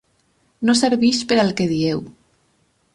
No serveix per al que dieu.